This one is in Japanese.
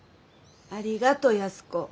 ありがと安子。